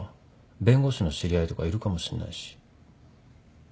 弁護士の知り合いとかいるかもしれないし。